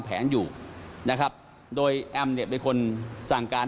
รวมถึงเมื่อวานี้ที่บิ๊กโจ๊กพาไปคุยกับแอมท์ท่านสถานหญิงกลาง